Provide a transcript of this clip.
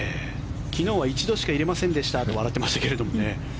昨日は一度しか入れませんでしたと笑ってましたけどね。